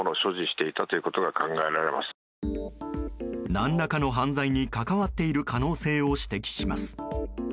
何らかの犯罪に関わっている可能性を指摘します。